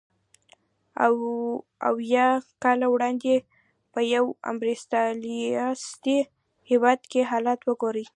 اویای کاله وړاندې په یو امپریالیستي هېواد کې حالت وګورئ